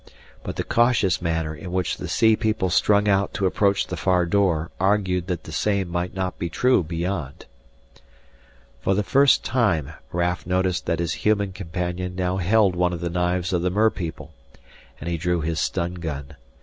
But the cautious manner in which the sea people strung out to approach the far door argued that the same might not be true beyond. For the first time Raf noticed that his human companion now held one of the knives of the merpeople, and he drew his stun gun.